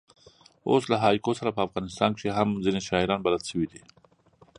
اوس له هایکو سره په افغانستان کښي هم ځیني شاعران بلد سوي دي.